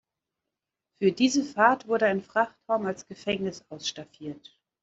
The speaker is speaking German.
Für diese Fahrt wurde ein Frachtraum als Gefängnis ausstaffiert.